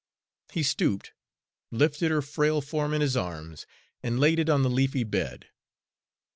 He stooped, lifted her frail form in his arms, and laid it on the leafy bed.